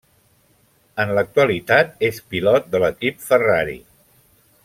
En l'actualitat és pilot de l'equip Ferrari.